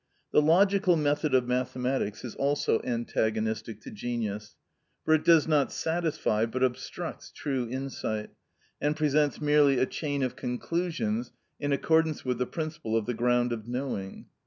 The logical method of mathematics is also antagonistic to genius, for it does not satisfy but obstructs true insight, and presents merely a chain of conclusions in accordance with the principle of the ground of knowing.